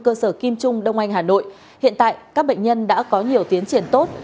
cơ sở kim trung đông anh hà nội hiện tại các bệnh nhân đã có nhiều tiến triển tốt